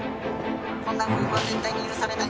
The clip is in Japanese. こんな夫婦は絶対に許されない。